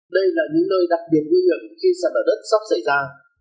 đây là những nơi đặc biệt nguy hiểm khi sạt lở đất sắp xảy ra